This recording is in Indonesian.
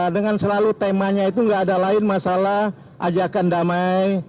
dengan selalu temanya itu nggak ada lain masalah ajakan damai